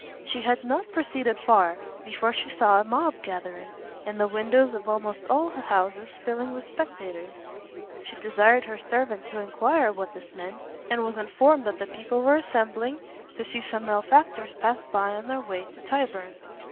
She had not proceeded far, before she saw a mob gathering, and the windows of almost all the houses filling with spectators. She desired her servant to enquire what this meant, and was informed that the people were assembling to see some malefactors pass by in their way to Tyburn.